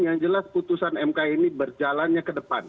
yang jelas putusan mk ini berjalannya ke depan